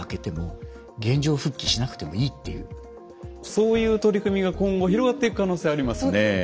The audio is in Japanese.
そういう取り組みが今後広がっていく可能性ありますね。